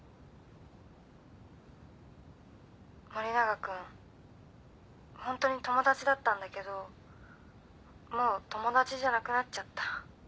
森永君ホントに友達だったんだけどもう友達じゃなくなっちゃった。